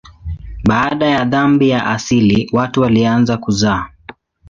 Baada ya dhambi ya asili watu walianza kuzaa.